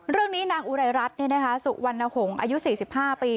เรื่องนี้นางอุรัยรัฐสุวรรณหงษ์อายุ๔๕ปี